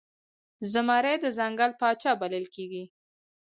زمری د ځنګل پاچا بلل کېږي.